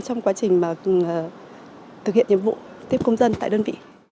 trong quá trình mà thực hiện nhiệm vụ tiếp công dân tại đơn vị